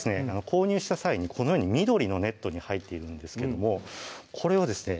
購入した際にこのように緑のネットに入っているんですけどもこれをですね